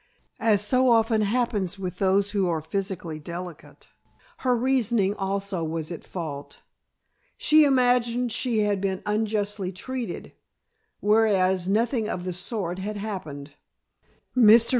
As so often happens with those who are physically delicate, her reasoning also was at fault. She imagined she had been unjustly treated, whereas nothing of the sort had happened. Mr.